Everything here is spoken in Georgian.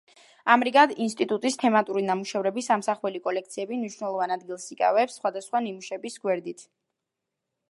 ამრიგად, ინსტიტუტის თემატური ნამუშევრების ამსახველი კოლექციები მნიშვნელოვან ადგილს იკავებენ სხვადასხვა ნიმუშების გვერდით.